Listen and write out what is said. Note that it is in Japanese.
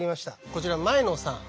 こちらの前野さん